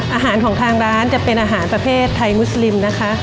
อาหารของทางร้านจะเป็นอาหารประเภทไทยมุสลิมนะคะ